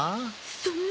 そんな。